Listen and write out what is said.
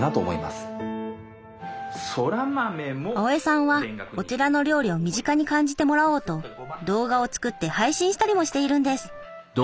青江さんはお寺の料理を身近に感じてもらおうと動画を作って配信したりもしているんです。